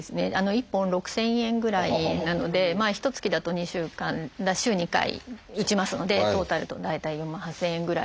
１本６，０００円ぐらいなのでひとつきだと週２回打ちますのでトータルだと大体４万８，０００円ぐらいしますね。